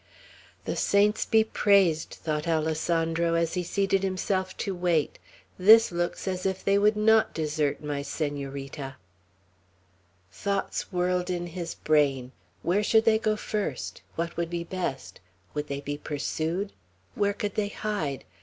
"The saints be praised!" thought Alessandro, as he seated himself to wait. "This looks as if they would not desert my Senorita." Thoughts whirled in his brain. Where should they go first? What would be best? Would they be pursued? Where could they hide?